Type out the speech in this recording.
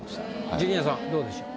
ジュニアさんどうでしょう？